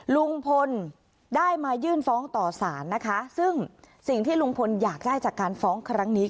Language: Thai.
ลุงพลได้มายื่นฟ้องต่อสารนะคะซึ่งสิ่งที่ลุงพลอยากได้จากการฟ้องครั้งนี้